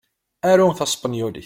Arut taspenyulit.